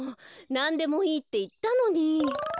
「なんでもいい」っていったのに！